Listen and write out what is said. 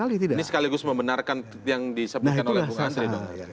ini sekaligus membenarkan yang disebutkan oleh bukha asri